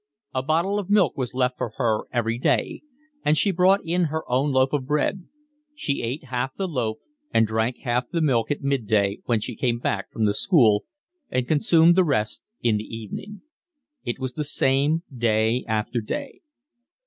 A bottle of milk was left for her every day and she brought in her own loaf of bread; she ate half the loaf and drank half the milk at mid day when she came back from the school, and consumed the rest in the evening. It was the same day after day.